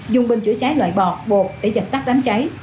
dùng binh chữa cháy loại bọt bột để giật tắt đám cháy